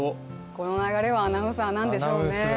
この流れはアナウンサーなんでしょうね。